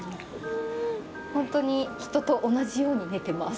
ホントに人と同じように寝てます。